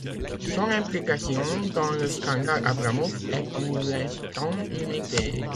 Son implication dans le scandale Abramoff est pour l'instant limitée.